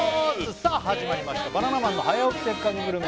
さあ始まりました「バナナマンの早起きせっかくグルメ！！」